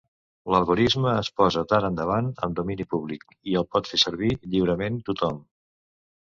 L'algorisme es posa d'ara endavant en domini públic, i el pot fer servir lliurement tothom.